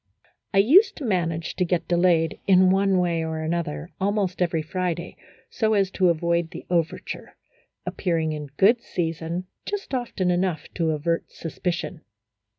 I used to manage to get delayed, in one way or another, almost every Friday, so as to avoid the overture, appearing in good season just often enough to avert suspicion.